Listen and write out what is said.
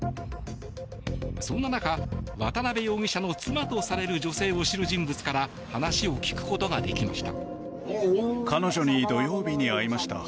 そんな中渡邉容疑者の妻とされる女性を知る人物から話を聞くことができました。